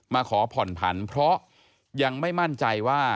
ขอผ่อนผันเพราะยังไม่มั่นใจว่า